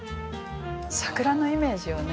桜のイメージをね